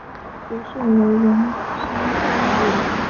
壶遂为人深中笃行。